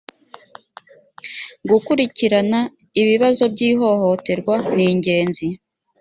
gukurikirana ibibazo byihohoterwa ningenzi.